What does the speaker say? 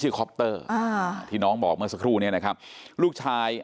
คือสิ่งที่เราติดตามคือสิ่งที่เราติดตาม